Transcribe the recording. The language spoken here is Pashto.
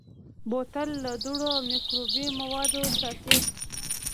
بوتل له دوړو او مکروبي موادو ساتي.